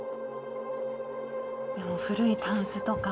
いやもう古いタンスとか。